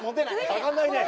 上がんないね。